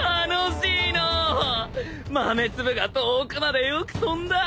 豆粒が遠くまでよく飛んだ。